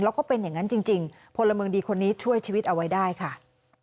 แล้วก็เป็นอย่างนั้นจริงพลเมืองดีคนนี้ช่วยชีวิตเอาไว้ได้ค่ะ